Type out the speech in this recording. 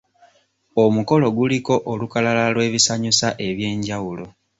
Omukolo guliko olukalala lw'ebisanyusa eby'enjawulo.